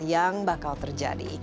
yang bakal terjadi